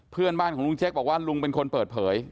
เพื่อนบ้านของลุงเจ๊กบอกว่าลุงเป็นคนเปิดเผย